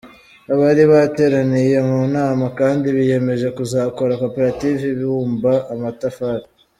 Abari bateraniye mu nama kandi biyemeje kuzakora koperative ibumba amatafari.